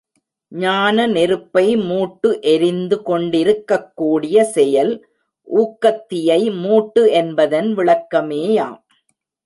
ஞான நெருப்பை மூட்டு எரிந்து கொண்டிருக்கக்கூடிய செயல் ஊக்கத்தியை மூட்டு என்பதன் விளக்கமேயாம்.